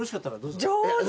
上手！